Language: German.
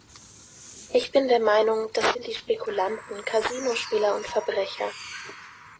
Ich bin der Meinung, das sind die Spekulanten, Kasinospieler und Verbrecher.